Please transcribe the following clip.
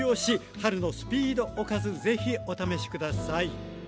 春のスピードおかず是非お試し下さい。